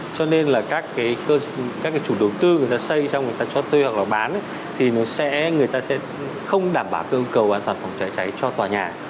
cho nên là các cái chủ đầu tư người ta xây xong người ta cho thuê hoặc là bán thì người ta sẽ không đảm bảo cơ cầu an toàn phòng cháy cháy cho tòa nhà